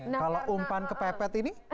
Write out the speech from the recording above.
kalau umpan kepepet ini